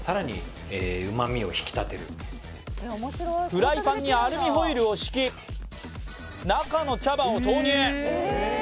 フライパンにアルミホイルを敷き中の茶葉を投入